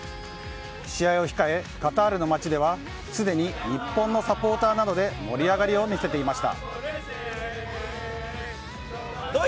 試合を控えカタールの街ではすでに日本のサポーターなどで盛り上がりを見せていました。